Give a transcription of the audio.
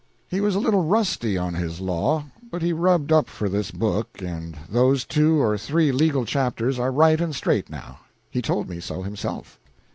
He was a little rusty on his law, but he rubbed up for this book, and those two or three legal chapters are right and straight, now. He told me so himself.